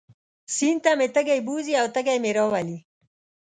سیند ته مې تږی بوځي او تږی مې راولي.